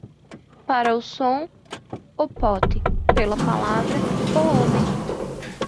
Para o som, o pote; pela palavra, o homem.